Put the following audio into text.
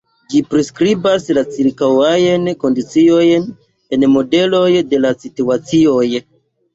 Ĝi priskribas la ĉirkaŭajn kondiĉojn en modeloj de la situacioj.